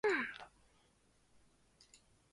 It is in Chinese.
哎呀，我差点忘了。